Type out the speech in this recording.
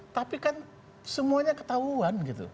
tapi kan semuanya ketahuan gitu